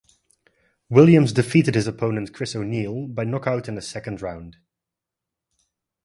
Williams defeated his opponent, Kris O'Neil, by knock-out in the second round.